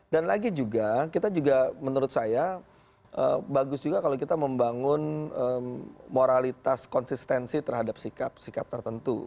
dan lagi juga kita juga menurut saya bagus juga kalau kita membangun moralitas konsistensi terhadap sikap sikap tertentu